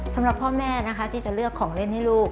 สำหรับพ่อแม่นะคะที่จะเลือกของเล่นให้ลูก